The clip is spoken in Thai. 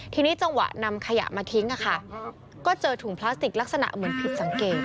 ทีนี้จังหวะนำขยะมาทิ้งก็เจอถุงพลาสติกลักษณะเหมือนผิดสังเกต